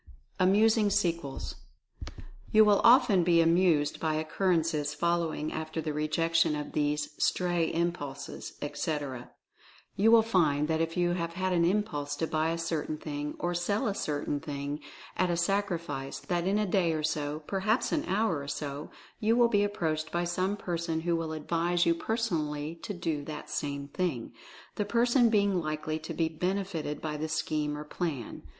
AMUSING SEQUELS. You will often be amused by occurrences following after the rejection of these "stray impulses," etc. You will find that if you have had an impulse to buy a cer tain thing, or sell a certain thing at a sacrifice, that in a day or so, perhaps an hour or so, you will be ap proached by some person who will advise you person ally to do that same thing, the person being likely to be benefited by the scheme or plan.